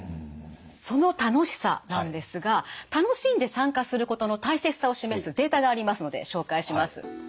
その楽しさなんですが楽しんで参加することの大切さを示すデータがありますので紹介します。